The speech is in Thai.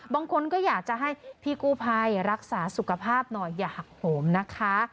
บางคนก็อยากจะให้พี่กู้ภัยรักษาสุขภาพหน่อยอย่าหักโหมนะคะ